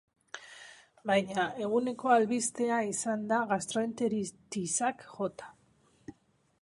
Baina, eguneko albistea izan da gastroenteritisak jota.